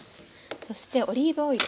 そしてオリーブオイル。